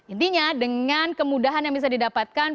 intinya dengan kemudahan yang bisa didapatkan